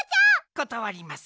ことわります。